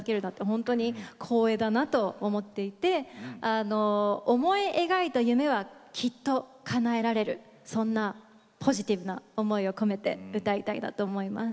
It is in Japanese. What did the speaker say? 本当に光栄だなと思っていて思い描いた夢はきっとかなえられるそんなポジティブな思いを込めて歌いたいなと思います。